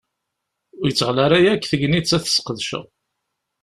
Ur yi-d-teɣli ara yakk tegnit ad t-ssqedceɣ.